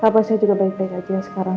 kabar saya juga baik baik aja sekarang